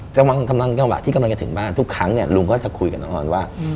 จังหวะกำลังจังหวะที่กำลังจะถึงบ้านทุกครั้งเนี่ยลุงก็จะคุยกับน้องออนว่า